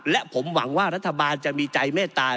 และผมหวังว่ารัฐบาลจะมีใจเมตตา